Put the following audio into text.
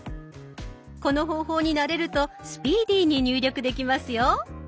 この方法に慣れるとスピーディーに入力できますよ。